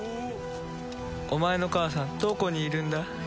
お前の母さんどこにいるんだ？